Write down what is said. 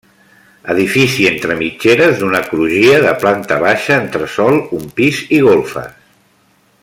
Edifici entre mitgeres d'una crugia, de planta baixa, entresòl, un pis i golfes.